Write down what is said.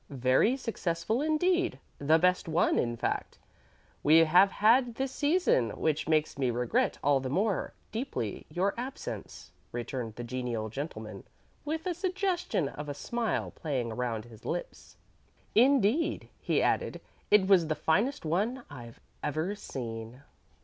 "Very successful indeed. The best one, in fact, we have had this season, which makes me regret all the more deeply your absence," returned the genial gentleman, with a suggestion of a smile playing about his lips. "Indeed," he added, "it was the finest one I've ever seen."